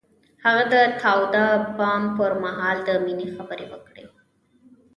هغه د تاوده بام پر مهال د مینې خبرې وکړې.